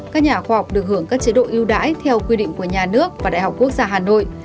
các nhà khoa học được hưởng các chế độ ưu đãi theo quy định của nhà nước và đại học quốc gia hà nội